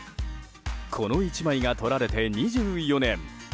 この１枚が撮られて２４年。